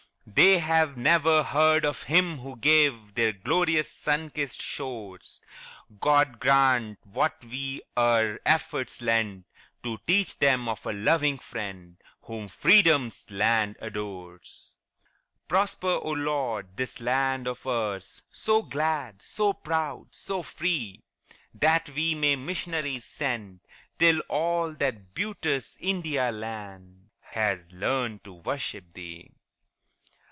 They've never heard of Him who gave Their glorious sun kissed shores; God grant that we our efforts lend To teach them of a loving Friend Whom Freedom's land adores. Prosper, O Lord, this land of ours, So glad, so proud, so free, That we may missionaries send Till all that beauteous India land Has learned to worship Thee.